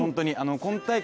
今大会